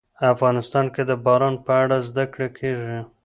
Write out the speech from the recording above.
افغانستان کې د باران په اړه زده کړه کېږي.